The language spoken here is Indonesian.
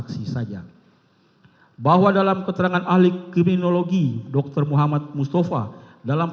kita harus membuatnya